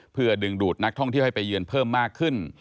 เพื่อดึงดูดนักท่องเที่ยวให้ไปเยือนเพิ่มมากขึ้น